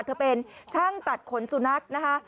เธอเป็นช่างตัดขนสุนัขนะคะ